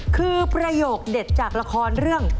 คือประโยคเด็ดจากละครเรื่อง